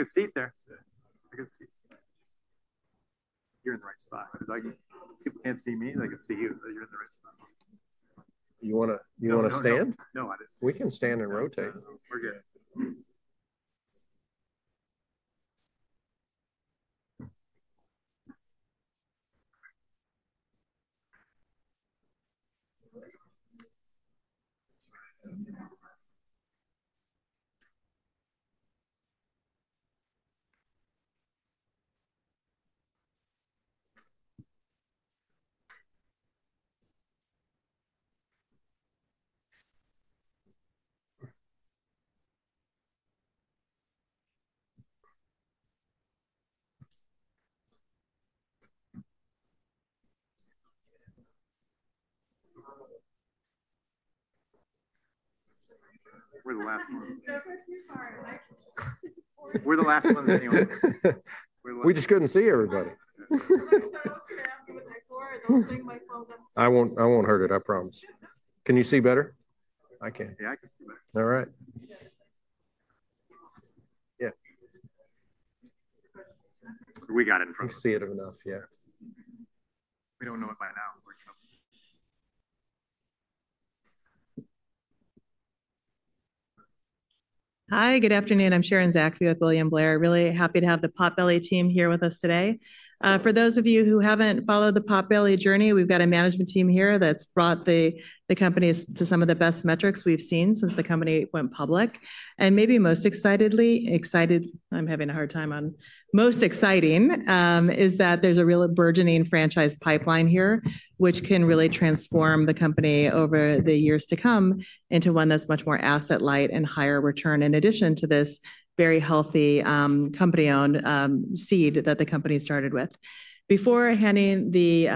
I can see it there. I can see it. You're in the right spot. If people can't see me, they can see you. You're in the right spot. You want to—you want to stand? No, I didn't. We can stand and rotate. We're good. We're the last one. We're the last ones in the audience. We just couldn't see everybody. I'm so trapped with my cord. I'm seeing my phone. I won't hurt it, I promise. Can you see better? I can. Yeah, I can see better. All right. Yeah. We got it in front of us. We can see it enough, yeah. We don't know it by now. Hi, good afternoon. I'm Sharon Zackfia with William Blair. Really happy to have the Potbelly team here with us today. For those of you who haven't followed the Potbelly journey, we've got a management team here that's brought the company to some of the best metrics we've seen since the company went public. Maybe most exciting is that there's a real burgeoning franchise pipeline here, which can really transform the company over the years to come into one that's much more asset-light and higher return in addition to this very healthy company-owned seed that the company started with. Before handing the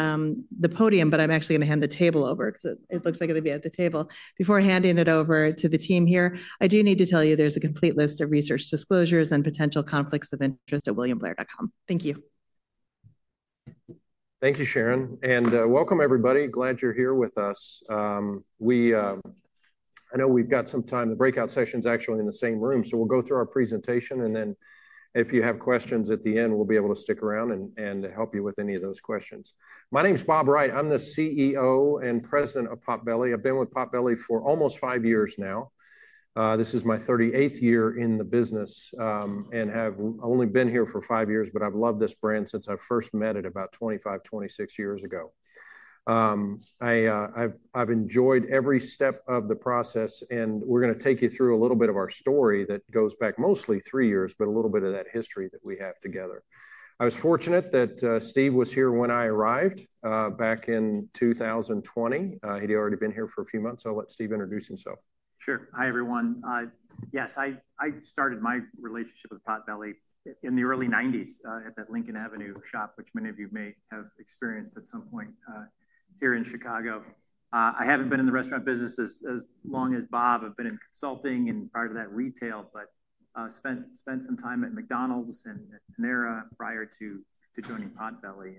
podium—but I'm actually going to hand the table over because it looks like it'll be at the table—before handing it over to the team here, I do need to tell you there's a complete list of research disclosures and potential conflicts of interest at williamblair.com. Thank you. Thank you, Sharon. Welcome, everybody. Glad you're here with us. I know we've got some time—the breakout session is actually in the same room—so we'll go through our presentation, and then if you have questions at the end, we'll be able to stick around and help you with any of those questions. My name's Bob Wright. I'm the CEO and President of Potbelly. I've been with Potbelly for almost five years now. This is my 38th year in the business and have only been here for five years, but I've loved this brand since I first met it about 25, 26 years ago. I've enjoyed every step of the process, and we're going to take you through a little bit of our story that goes back mostly three years, but a little bit of that history that we have together. I was fortunate that Steve was here when I arrived back in 2020. He'd already been here for a few months, so I'll let Steve introduce himself. Sure. Hi, everyone. Yes, I started my relationship with Potbelly in the early 1990s at that Lincoln Avenue shop, which many of you may have experienced at some point here in Chicago. I haven't been in the restaurant business as long as Bob. I've been in consulting and prior to that retail, but spent some time at McDonald's and Panera prior to joining Potbelly.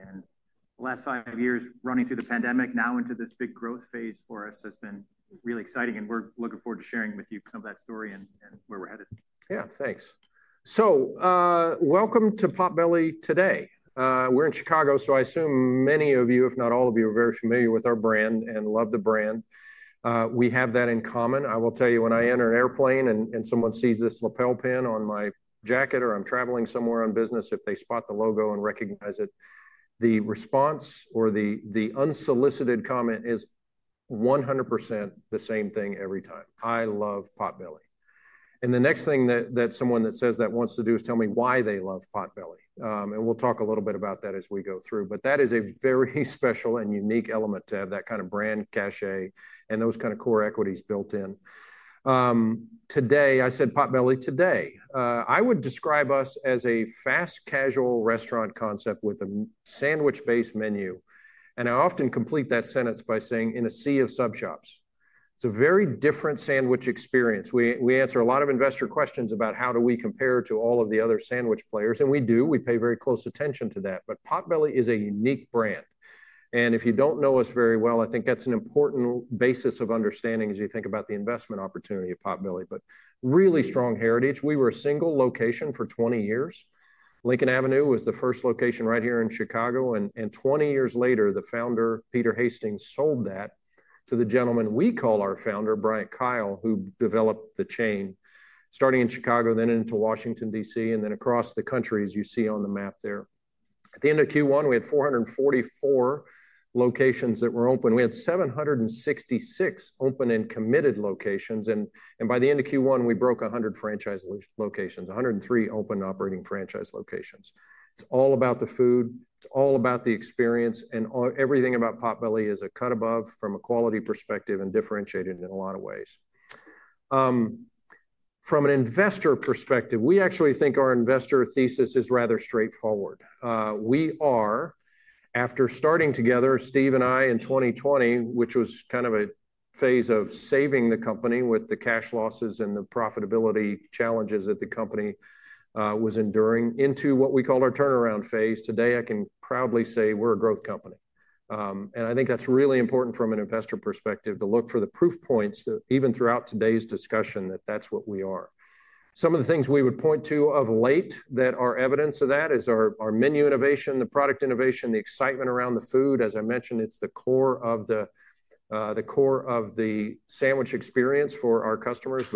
The last five years running through the pandemic, now into this big growth phase for us, has been really exciting, and we're looking forward to sharing with you some of that story and where we're headed. Yeah, thanks. Welcome to Potbelly today. We're in Chicago, so I assume many of you, if not all of you, are very familiar with our brand and love the brand. We have that in common. I will tell you, when I enter an airplane and someone sees this lapel pin on my jacket or I'm traveling somewhere on business, if they spot the logo and recognize it, the response or the unsolicited comment is 100% the same thing every time. "I love Potbelly." The next thing that someone that says that wants to do is tell me why they love Potbelly. We'll talk a little bit about that as we go through. That is a very special and unique element to have that kind of brand cache and those kind of core equities built in. Today, I said Potbelly today. I would describe us as a fast casual restaurant concept with a sandwich-based menu. I often complete that sentence by saying, "In a sea of sub shops." It is a very different sandwich experience. We answer a lot of investor questions about how do we compare to all of the other sandwich players. We do. We pay very close attention to that. Potbelly is a unique brand. If you do not know us very well, I think that is an important basis of understanding as you think about the investment opportunity at Potbelly. Really strong heritage. We were a single location for 20 years. Lincoln Avenue was the first location right here in Chicago. Twenty years later, the founder, Peter Hastings, sold that to the gentleman we call our founder, Bryant Keil, who developed the chain, starting in Chicago, then into Washington, DC, and then across the country, as you see on the map there. At the end of Q1, we had 444 locations that were open. We had 766 open and committed locations. By the end of Q1, we broke 100 franchise locations, 103 open operating franchise locations. It's all about the food. It's all about the experience. Everything about Potbelly is a cut above from a quality perspective and differentiated in a lot of ways. From an investor perspective, we actually think our investor thesis is rather straightforward. We are, after starting together, Steve and I in 2020, which was kind of a phase of saving the company with the cash losses and the profitability challenges that the company was enduring, into what we call our turnaround phase. Today, I can proudly say we're a growth company. I think that's really important from an investor perspective to look for the proof points even throughout today's discussion that that's what we are. Some of the things we would point to of late that are evidence of that is our menu innovation, the product innovation, the excitement around the food. As I mentioned, it's the core of the sandwich experience for our customers.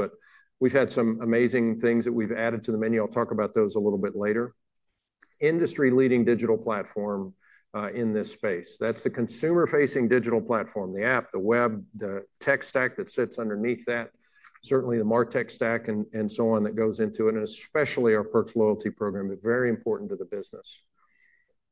We've had some amazing things that we've added to the menu. I'll talk about those a little bit later. Industry-leading digital platform in this space. That's the consumer-facing digital platform, the app, the web, the tech stack that sits underneath that, certainly the MarTech stack and so on that goes into it, and especially our Perks loyalty program, very important to the business.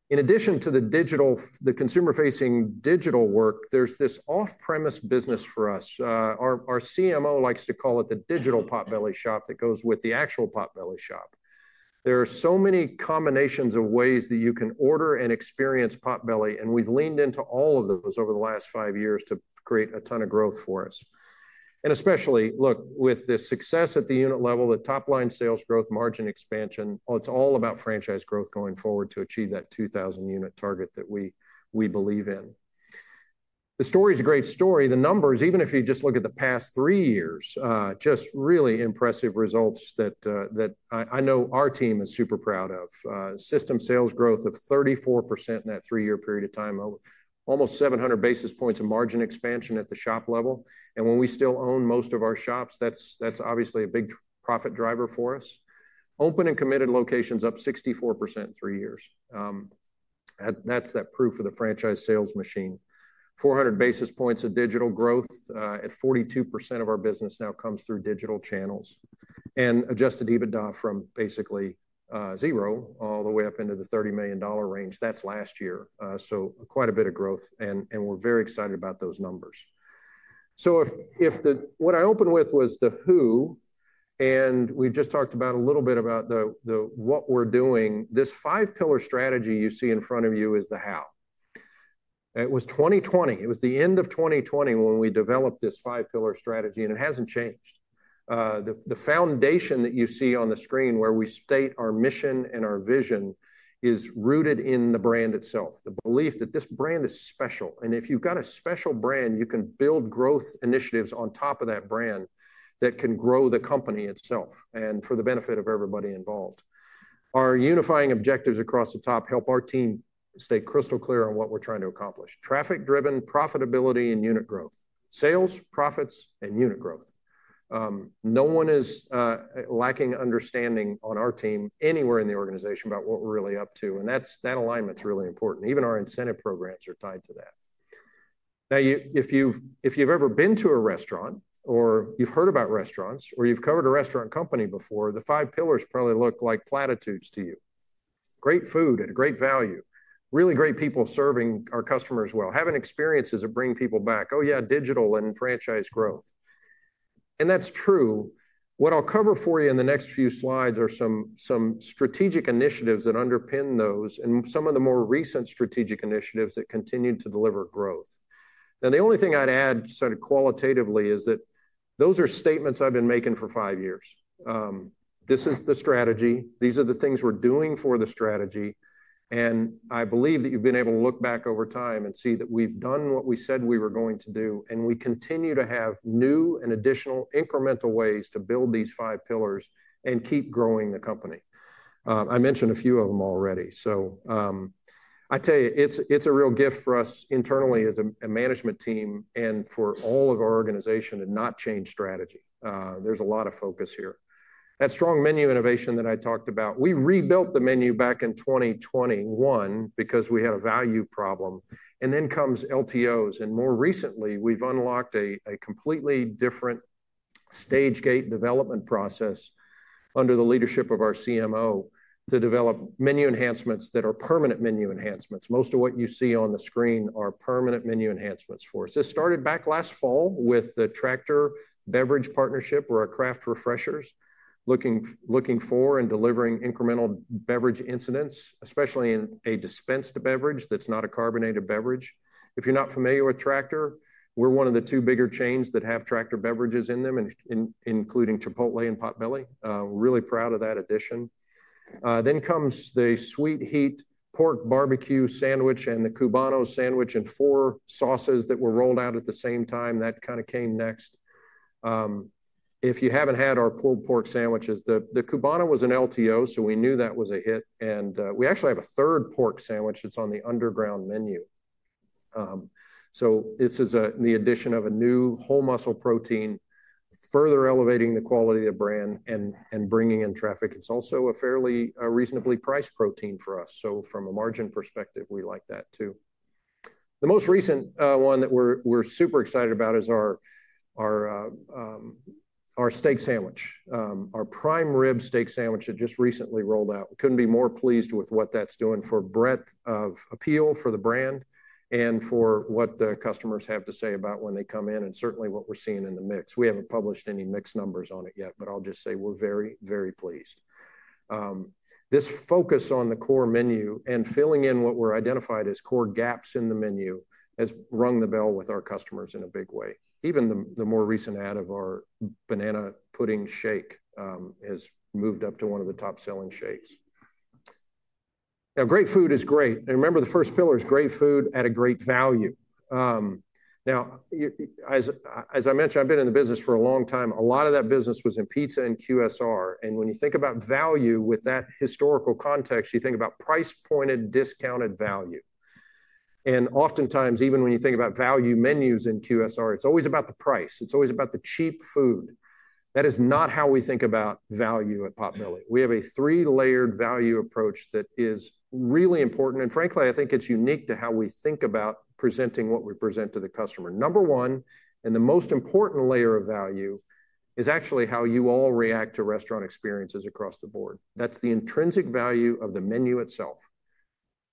In addition to the consumer-facing digital work, there's this off-premise business for us. Our CMO likes to call it the digital Potbelly shop that goes with the actual Potbelly shop. There are so many combinations of ways that you can order and experience Potbelly, and we've leaned into all of those over the last five years to create a ton of growth for us. Especially, look, with the success at the unit level, the top-line sales growth, margin expansion, it's all about franchise growth going forward to achieve that 2,000-unit target that we believe in. The story is a great story. The numbers, even if you just look at the past three years, just really impressive results that I know our team is super proud of. System sales growth of 34% in that three-year period of time, almost 700 basis points of margin expansion at the shop level. When we still own most of our shops, that's obviously a big profit driver for us. Open and committed locations up 64% in three years. That's that proof of the franchise sales machine. 400 basis points of digital growth at 42% of our business now comes through digital channels. Adjusted EBITDA from basically zero all the way up into the $30 million range. That's last year. Quite a bit of growth, and we're very excited about those numbers. What I opened with was the who. We just talked about a little bit about what we're doing. This five-pillar strategy you see in front of you is the how. It was 2020. It was the end of 2020 when we developed this five-pillar strategy, and it hasn't changed. The foundation that you see on the screen where we state our mission and our vision is rooted in the brand itself, the belief that this brand is special. If you've got a special brand, you can build growth initiatives on top of that brand that can grow the company itself and for the benefit of everybody involved. Our unifying objectives across the top help our team stay crystal clear on what we're trying to accomplish: traffic-driven profitability and unit growth, sales, profits, and unit growth. No one is lacking understanding on our team anywhere in the organization about what we're really up to. That alignment's really important. Even our incentive programs are tied to that. Now, if you've ever been to a restaurant or you've heard about restaurants or you've covered a restaurant company before, the five pillars probably look like platitudes to you: great food at a great value, really great people serving our customers well, having experiences that bring people back, "Oh yeah, digital and franchise growth." That is true. What I'll cover for you in the next few slides are some strategic initiatives that underpin those and some of the more recent strategic initiatives that continue to deliver growth. The only thing I'd add sort of qualitatively is that those are statements I've been making for five years. This is the strategy. These are the things we're doing for the strategy. I believe that you've been able to look back over time and see that we've done what we said we were going to do, and we continue to have new and additional incremental ways to build these five pillars and keep growing the company. I mentioned a few of them already. I tell you, it's a real gift for us internally as a management team and for all of our organization to not change strategy. There's a lot of focus here. That strong menu innovation that I talked about, we rebuilt the menu back in 2021 because we had a value problem. Then comes LTOs. More recently, we've unlocked a completely different stage gate development process under the leadership of our CMO to develop menu enhancements that are permanent menu enhancements. Most of what you see on the screen are permanent menu enhancements for us. This started back last fall with the Tractor Beverage partnership. We're a craft refreshers looking for and delivering incremental beverage incidents, especially in a dispensed beverage that's not a carbonated beverage. If you're not familiar with Tractor, we're one of the two bigger chains that have Tractor beverages in them, including Chipotle and Potbelly. Really proud of that addition. Next comes the Sweet Heat Pork Barbecue sandwich and the Cubano sandwich and four sauces that were rolled out at the same time. That kind of came next. If you haven't had our pulled pork sandwiches, the Cubano was an LTO, so we knew that was a hit. We actually have a third pork sandwich that's on the underground menu. This is the addition of a new whole muscle protein, further elevating the quality of the brand and bringing in traffic. It's also a fairly reasonably priced protein for us. From a margin perspective, we like that too. The most recent one that we're super excited about is our steak sandwich, our Prime Rib Steak Sandwich that just recently rolled out. We couldn't be more pleased with what that's doing for breadth of appeal for the brand and for what the customers have to say about when they come in and certainly what we're seeing in the mix. We haven't published any mix numbers on it yet, but I'll just say we're very, very pleased. This focus on the core menu and filling in what were identified as core gaps in the menu has rung the bell with our customers in a big way. Even the more recent add of our Banana Pudding Shake has moved up to one of the top-selling shakes. Now, great food is great. Remember, the first pillar is great food at a great value. Now, as I mentioned, I've been in the business for a long time. A lot of that business was in pizza and QSR. When you think about value with that historical context, you think about price-pointed, discounted value. Oftentimes, even when you think about value menus in QSR, it's always about the price. It's always about the cheap food. That is not how we think about value at Potbelly. We have a three-layered value approach that is really important. Frankly, I think it's unique to how we think about presenting what we present to the customer. Number one, and the most important layer of value is actually how you all react to restaurant experiences across the board. That's the intrinsic value of the menu itself.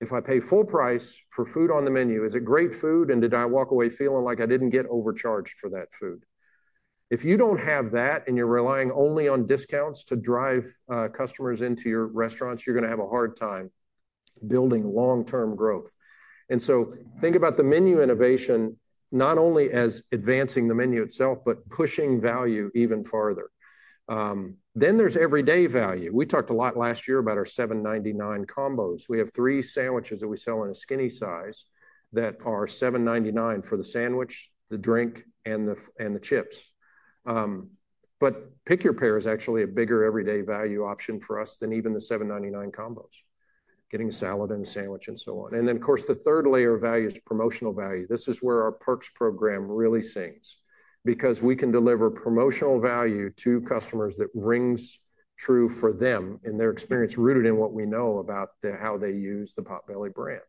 If I pay full price for food on the menu, is it great food? And did I walk away feeling like I didn't get overcharged for that food? If you don't have that and you're relying only on discounts to drive customers into your restaurants, you're going to have a hard time building long-term growth. Think about the menu innovation not only as advancing the menu itself, but pushing value even farther. There is everyday value. We talked a lot last year about our $7.99 combos. We have three sandwiches that we sell in a skinny size that are $7.99 for the sandwich, the drink, and the chips. Pick Your Pair is actually a bigger everyday value option for us than even the $7.99 combos, getting a salad and a sandwich and so on. Of course, the third layer of value is promotional value. This is where our perks program really sings because we can deliver promotional value to customers that rings true for them in their experience rooted in what we know about how they use the Potbelly brand.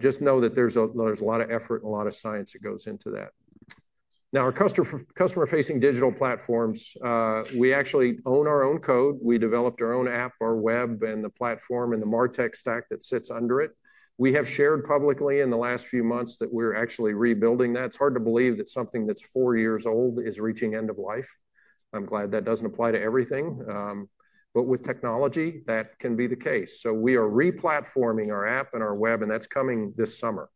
Just know that there's a lot of effort and a lot of science that goes into that. Now, our customer-facing digital platforms, we actually own our own code. We developed our own app, our web, and the platform and the MarTech stack that sits under it. We have shared publicly in the last few months that we're actually rebuilding that. It's hard to believe that something that's four years old is reaching end of life. I'm glad that doesn't apply to everything. With technology, that can be the case. We are replatforming our app and our web, and that's coming this summer.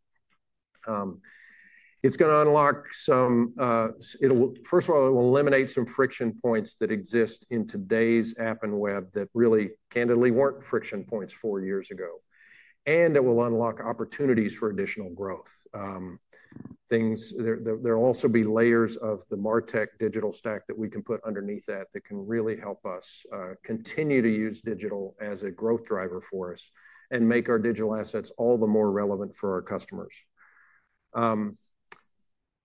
It's going to unlock some—first of all, it will eliminate some friction points that exist in today's app and web that really, candidly, weren't friction points four years ago. It will unlock opportunities for additional growth. There'll also be layers of the MarTech digital stack that we can put underneath that that can really help us continue to use digital as a growth driver for us and make our digital assets all the more relevant for our customers.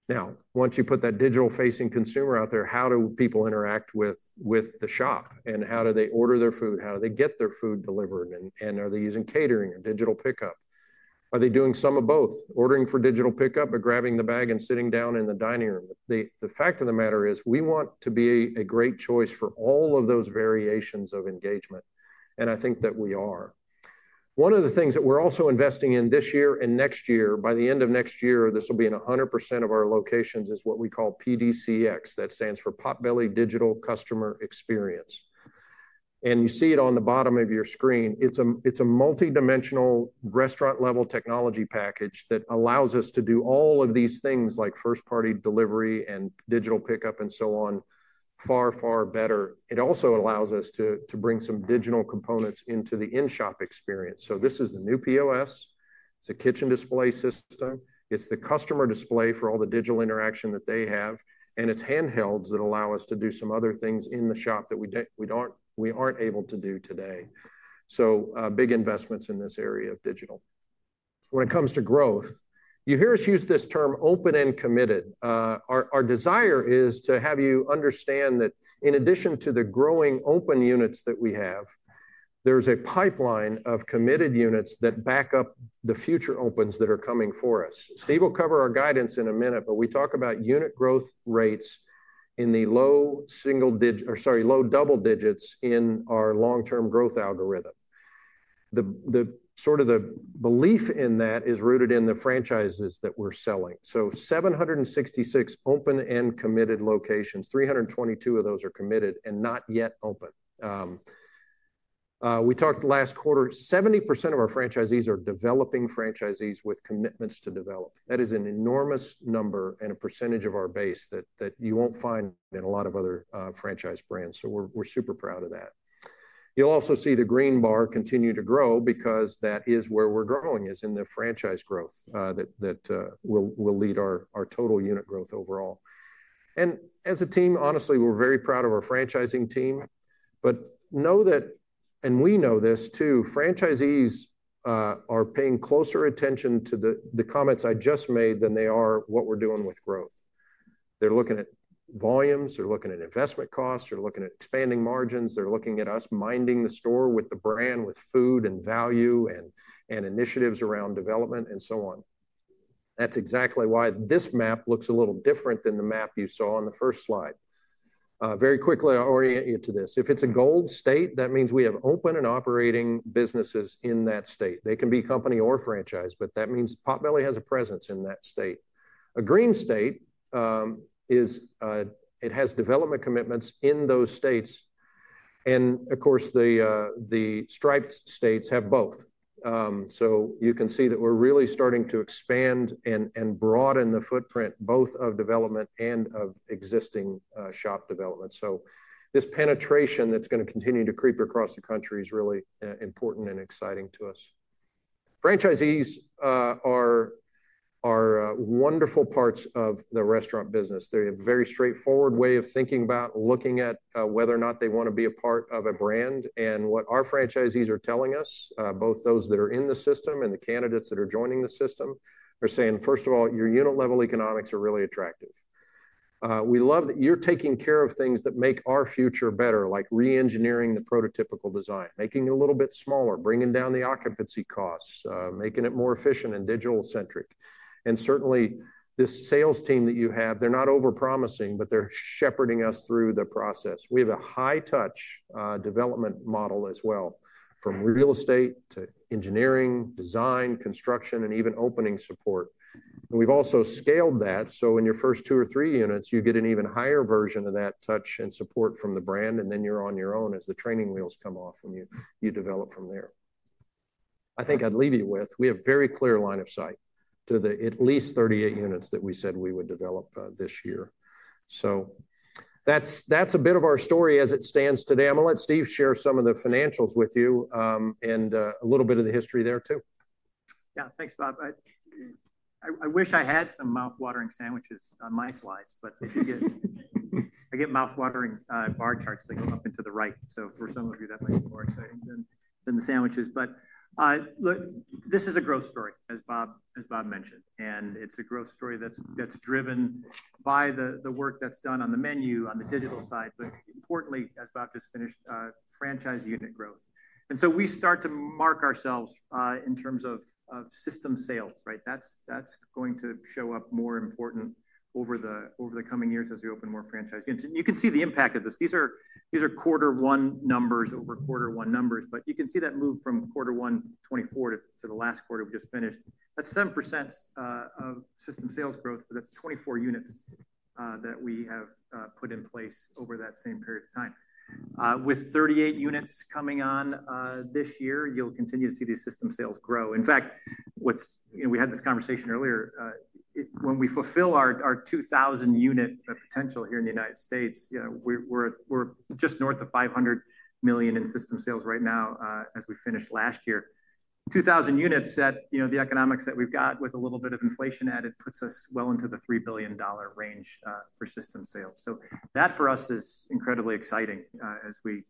Now, once you put that digital-facing consumer out there, how do people interact with the shop? How do they order their food? How do they get their food delivered? Are they using catering or digital pickup? Are they doing some of both, ordering for digital pickup or grabbing the bag and sitting down in the dining room? The fact of the matter is we want to be a great choice for all of those variations of engagement. I think that we are. One of the things that we're also investing in this year and next year, by the end of next year, this will be in 100% of our locations, is what we call PDCX. That stands for Potbelly Digital Customer Experience. You see it on the bottom of your screen. It is a multidimensional restaurant-level technology package that allows us to do all of these things like first-party delivery and digital pickup and so on far, far better. It also allows us to bring some digital components into the in-shop experience. This is the new POS. It is a kitchen display system. It is the customer display for all the digital interaction that they have. It's handhelds that allow us to do some other things in the shop that we aren't able to do today. Big investments in this area of digital. When it comes to growth, you hear us use this term open and committed. Our desire is to have you understand that in addition to the growing open units that we have, there's a pipeline of committed units that back up the future opens that are coming for us. Steve will cover our guidance in a minute, but we talk about unit growth rates in the low double digits in our long-term growth algorithm. The belief in that is rooted in the franchises that we're selling. 766 open and committed locations, 322 of those are committed and not yet open. We talked last quarter, 70% of our franchisees are developing franchisees with commitments to develop. That is an enormous number and a percentage of our base that you will not find in a lot of other franchise brands. We are super proud of that. You will also see the green bar continue to grow because that is where we are growing, in the franchise growth that will lead our total unit growth overall. As a team, honestly, we are very proud of our franchising team. We know that, and we know this too, franchisees are paying closer attention to the comments I just made than they are what we are doing with growth. They are looking at volumes. They are looking at investment costs. They are looking at expanding margins. They are looking at us minding the store with the brand, with food and value, and initiatives around development and so on. That's exactly why this map looks a little different than the map you saw on the first slide. Very quickly, I'll orient you to this. If it's a gold state, that means we have open and operating businesses in that state. They can be company or franchise, but that means Potbelly has a presence in that state. A green state has development commitments in those states. Of course, the striped states have both. You can see that we're really starting to expand and broaden the footprint both of development and of existing shop development. This penetration that's going to continue to creep across the country is really important and exciting to us. Franchisees are wonderful parts of the restaurant business. They have a very straightforward way of thinking about looking at whether or not they want to be a part of a brand. What our franchisees are telling us, both those that are in the system and the candidates that are joining the system, are saying, "First of all, your unit-level economics are really attractive. We love that you're taking care of things that make our future better, like re-engineering the prototypical design, making it a little bit smaller, bringing down the occupancy costs, making it more efficient and digital-centric." Certainly, this sales team that you have, they're not overpromising, but they're shepherding us through the process. We have a high-touch development model as well from real estate to engineering, design, construction, and even opening support. We've also scaled that. In your first two or three units, you get an even higher version of that touch and support from the brand, and then you're on your own as the training wheels come off and you develop from there. I think I'd leave you with we have a very clear line of sight to the at least 38 units that we said we would develop this year. So that's a bit of our story as it stands today. I'm going to let Steve share some of the financials with you and a little bit of the history there too. Yeah. Thanks, Bob. I wish I had some mouthwatering sandwiches on my slides, but I get mouthwatering bar charts that go up and to the right. For some of you, that might be more exciting than the sandwiches. Look, this is a growth story, as Bob mentioned. It is a growth story that is driven by the work that is done on the menu, on the digital side. Importantly, as Bob just finished, franchise unit growth. We start to mark ourselves in terms of system sales, right? That is going to show up more important over the coming years as we open more franchise units. You can see the impact of this. These are quarter one numbers over quarter one numbers. You can see that move from quarter one 2024 to the last quarter we just finished. That's 7% of system sales growth, but that's 24 units that we have put in place over that same period of time. With 38 units coming on this year, you'll continue to see these system sales grow. In fact, we had this conversation earlier. When we fulfill our 2,000-unit potential here in the United States, we're just north of $500 million in system sales right now as we finished last year. 2,000 units at the economics that we've got with a little bit of inflation added puts us well into the $3 billion range for system sales. That for us is incredibly exciting as we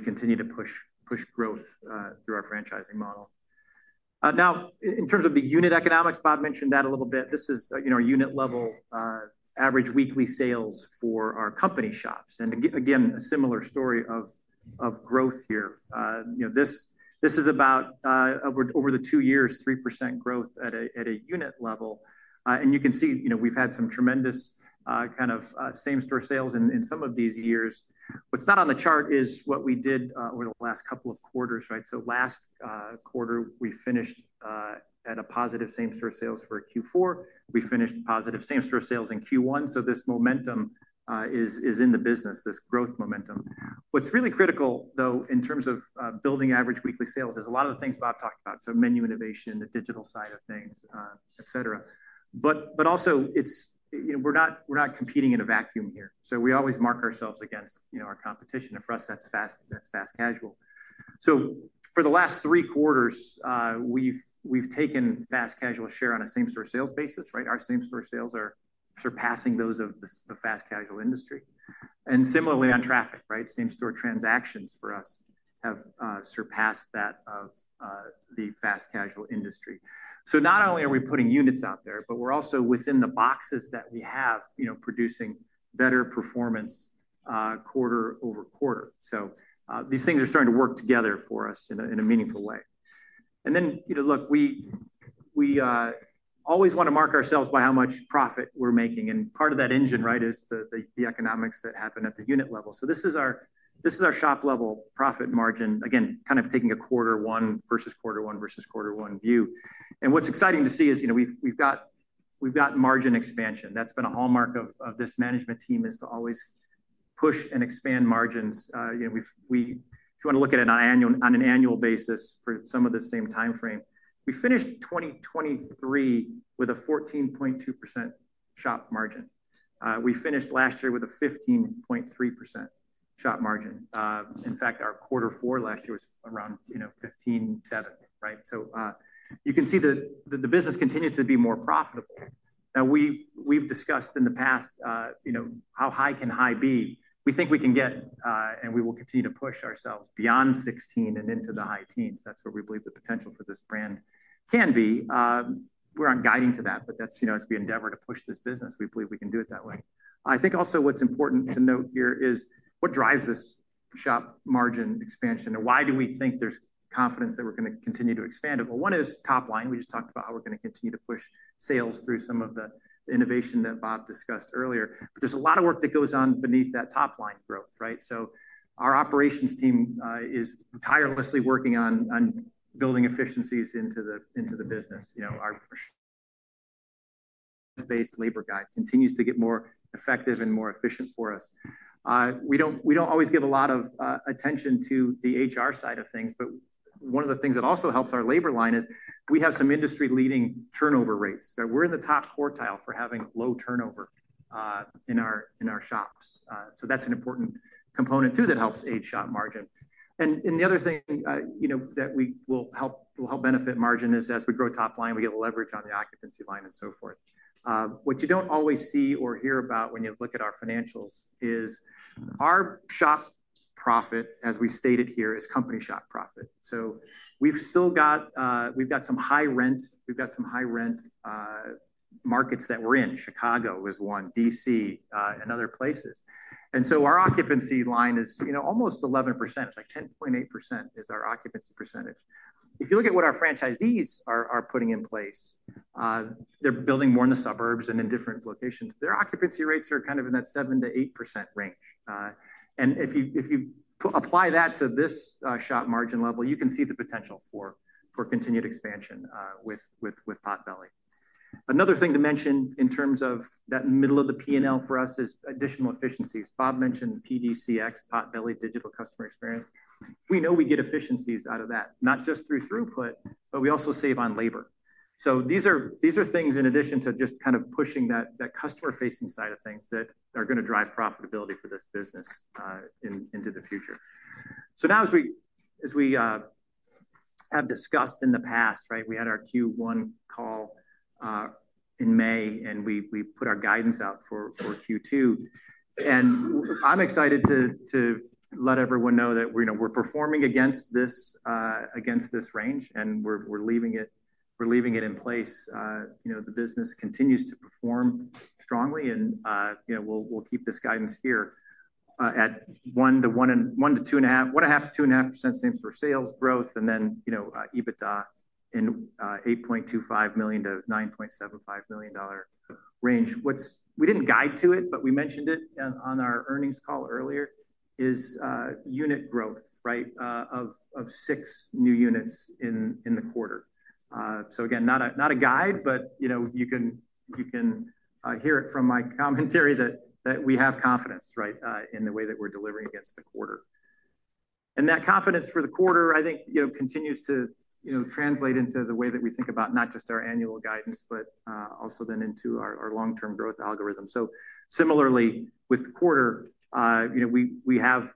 continue to push growth through our franchising model. Now, in terms of the unit economics, Bob mentioned that a little bit. This is our unit-level average weekly sales for our company shops. And again, a similar story of growth here. This is about over the two years, 3% growth at a unit level. You can see we've had some tremendous kind of same-store sales in some of these years. What's not on the chart is what we did over the last couple of quarters, right? Last quarter, we finished at a positive same-store sales for Q4. We finished positive same-store sales in Q1. This momentum is in the business, this growth momentum. What's really critical, though, in terms of building average weekly sales is a lot of the things Bob talked about, menu innovation, the digital side of things, etc. Also, we're not competing in a vacuum here. We always mark ourselves against our competition. For us, that's fast casual. For the last three quarters, we've taken fast casual share on a same-store sales basis, right? Our same-store sales are surpassing those of the fast casual industry. Similarly on traffic, right? Same-store transactions for us have surpassed that of the fast casual industry. Not only are we putting units out there, but we're also within the boxes that we have, producing better performance quarter over quarter. These things are starting to work together for us in a meaningful way. Look, we always want to mark ourselves by how much profit we're making. Part of that engine, right, is the economics that happen at the unit level. This is our shop-level profit margin, again, kind of taking a quarter one versus quarter one versus quarter one view. What's exciting to see is we've got margin expansion. That's been a hallmark of this management team, to always push and expand margins. If you want to look at it on an annual basis for some of the same timeframe, we finished 2023 with a 14.2% shop margin. We finished last year with a 15.3% shop margin. In fact, our quarter four last year was around 15.7%, right? You can see that the business continues to be more profitable. Now, we've discussed in the past how high can high be. We think we can get, and we will continue to push ourselves beyond 16% and into the high teens. That's where we believe the potential for this brand can be. We're not guiding to that, but as we endeavor to push this business, we believe we can do it that way. I think also what's important to note here is what drives this shop margin expansion and why do we think there's confidence that we're going to continue to expand it. One is top line. We just talked about how we're going to continue to push sales through some of the innovation that Bob discussed earlier. There is a lot of work that goes on beneath that top line growth, right? Our operations team is tirelessly working on building efficiencies into the business. Our base labor guide continues to get more effective and more efficient for us. We do not always give a lot of attention to the HR side of things, but one of the things that also helps our labor line is we have some industry-leading turnover rates. We are in the top quartile for having low turnover in our shops. That is an important component too that helps aid shop margin. The other thing that will help benefit margin is as we grow top line, we get leverage on the occupancy line and so forth. What you do not always see or hear about when you look at our financials is our shop profit, as we stated here, is company shop profit. We have still got some high rent. We have got some high rent markets that we are in. Chicago is one, DC, and other places. Our occupancy line is almost 11%. It is like 10.8% is our occupancy percentage. If you look at what our franchisees are putting in place, they are building more in the suburbs and in different locations. Their occupancy rates are kind of in that 7%-8% range. If you apply that to this shop margin level, you can see the potential for continued expansion with Potbelly. Another thing to mention in terms of that middle of the P&L for us is additional efficiencies. Bob mentioned PDCX, Potbelly Digital Customer Experience. We know we get efficiencies out of that, not just through throughput, but we also save on labor. These are things in addition to just kind of pushing that customer-facing side of things that are going to drive profitability for this business into the future. As we have discussed in the past, right, we had our Q1 call in May, and we put our guidance out for Q2. I'm excited to let everyone know that we're performing against this range, and we're leaving it in place. The business continues to perform strongly, and we'll keep this guidance here at 1.5%-2.5% same-store sales growth, and then EBITDA in the $8.25 million-$9.75 million range. We didn't guide to it, but we mentioned it on our earnings call earlier, is unit growth, right, of six new units in the quarter. Again, not a guide, but you can hear it from my commentary that we have confidence, right, in the way that we're delivering against the quarter. That confidence for the quarter, I think, continues to translate into the way that we think about not just our annual guidance, but also then into our long-term growth algorithm. Similarly, with quarter, we have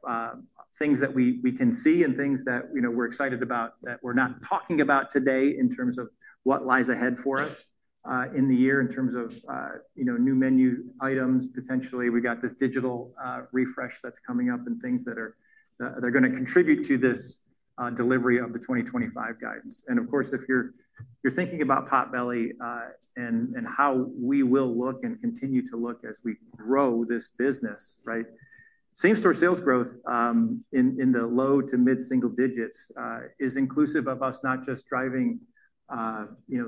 things that we can see and things that we're excited about that we're not talking about today in terms of what lies ahead for us in the year in terms of new menu items. Potentially, we got this digital refresh that's coming up and things that are going to contribute to this delivery of the 2025 guidance. Of course, if you're thinking about Potbelly and how we will look and continue to look as we grow this business, right, same-store sales growth in the low to mid-single digits is inclusive of us not just driving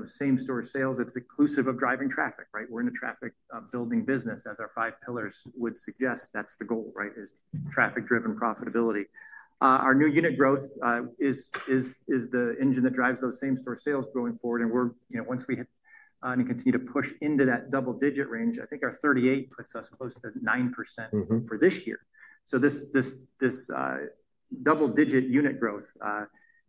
same-store sales. It's inclusive of driving traffic, right? We're in a traffic-building business, as our five pillars would suggest. That's the goal, right, is traffic-driven profitability. Our new unit growth is the engine that drives those same-store sales going forward. Once we continue to push into that double-digit range, I think our 38 puts us close to 9% for this year. This double-digit unit growth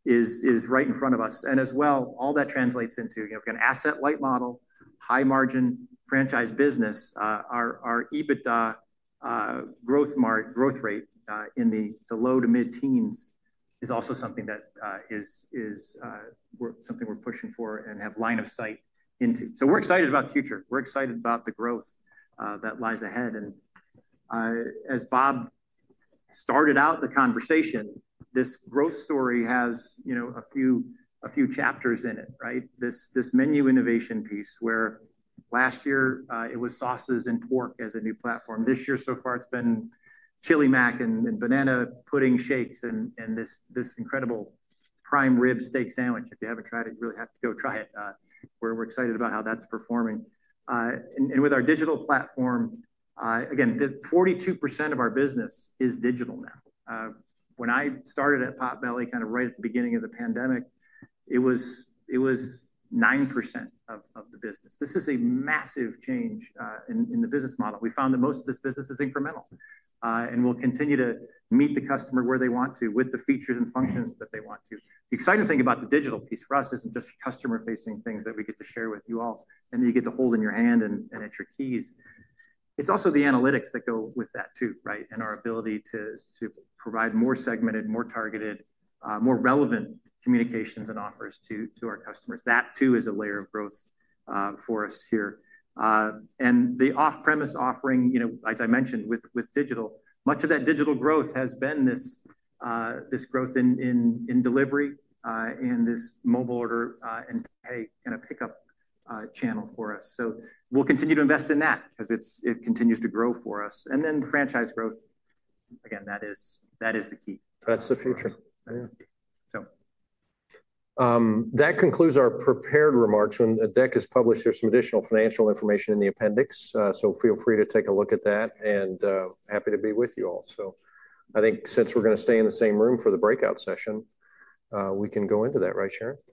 is right in front of us. As well, all that translates into an asset-light model, high-margin franchise business. Our EBITDA growth rate in the low to mid-teens is also something that is something we're pushing for and have line of sight into. We're excited about the future. We're excited about the growth that lies ahead. As Bob started out the conversation, this growth story has a few chapters in it, right? This menu innovation piece where last year it was sauces and pork as a new platform. This year, so far, it's been Chili Mac and Banana Pudding Shakes and this incredible Prime Rib Steak Sandwich. If you haven't tried it, you really have to go try it. We're excited about how that's performing. With our digital platform, again, 42% of our business is digital now. When I started at Potbelly kind of right at the beginning of the pandemic, it was 9% of the business. This is a massive change in the business model. We found that most of this business is incremental and will continue to meet the customer where they want to with the features and functions that they want to. The exciting thing about the digital piece for us is not just customer-facing things that we get to share with you all and that you get to hold in your hand and at your keys. It is also the analytics that go with that too, right? And our ability to provide more segmented, more targeted, more relevant communications and offers to our customers. That too is a layer of growth for us here. The off-premise offering, as I mentioned, with digital, much of that digital growth has been this growth in delivery and this mobile order and pay and a pickup channel for us. We will continue to invest in that because it continues to grow for us. Franchise growth, again, that is the key. That's the future. That concludes our prepared remarks. When the deck is published, there's some additional financial information in the appendix. Feel free to take a look at that. Happy to be with you all. I think since we're going to stay in the same room for the breakout session, we can go into that, right, Sharon?